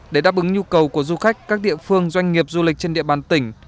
để đáp ứng nhu cầu của du khách các địa phương doanh nghiệp du lịch trên địa bàn tỉnh